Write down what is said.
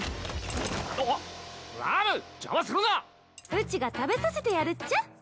うちが食べさせてやるっちゃ。